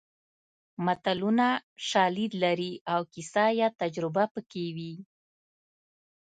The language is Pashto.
متلونه شالید لري او کیسه یا تجربه پکې وي